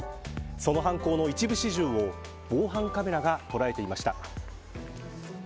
その犯行の一部始終を防犯カメラが捉えていました。